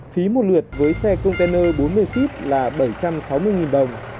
phí một lượt với xe công tên lơ bốn mươi feet là bảy trăm sáu mươi đồng